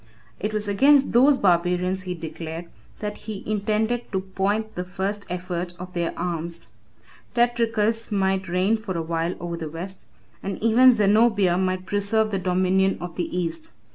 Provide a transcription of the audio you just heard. It was against those barbarians, he declared, that he intended to point the first effort of their arms. Tetricus might reign for a while over the West, and even Zenobia might preserve the dominion of the East.